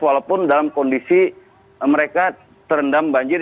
walaupun dalam kondisi mereka terendam banjir